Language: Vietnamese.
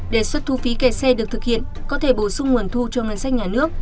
đề xuất thu phí kẹt xe được thực hiện có thể bổ sung nguồn thu cho ngân sách nhà nước